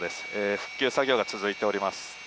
復旧作業が続いております。